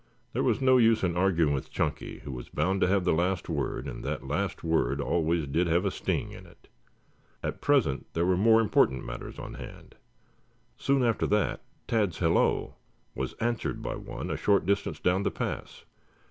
There was no use in arguing with Chunky, who was bound to have the last word and that last word always did have a sting in it. At present there were more important matters on hand. Soon after that Tad's hello was answered by one a short distance down the pass.